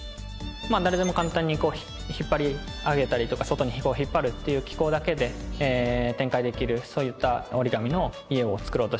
誰でも簡単にこう引っ張り上げたりとか外に引っ張るという機構だけで展開できるそういった折り紙の家を作ろうとしています。